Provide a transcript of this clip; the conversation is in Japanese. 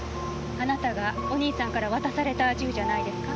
あなたがお兄さんから渡された銃じゃないですか？